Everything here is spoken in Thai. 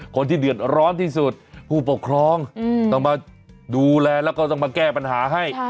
คนที่เดือดร้อนที่สุดผู้ปกครองต้องมาดูแลแล้วก็ต้องมาแก้ปัญหาให้